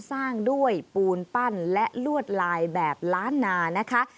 สร้างด้วยปูนปั้นและลวดลายแบบล้านนานะคะ